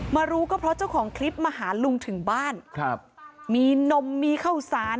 รู้ก็เพราะเจ้าของคลิปมาหาลุงถึงบ้านครับมีนมมีข้าวสาร